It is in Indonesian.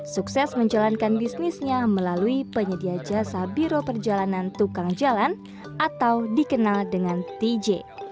sukses menjalankan bisnisnya melalui penyedia jasa biro perjalanan tukang jalan atau dikenal dengan tj